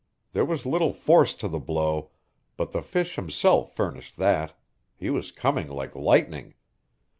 There was little force to the blow, but the fish himself furnished that; he was coming like lightning.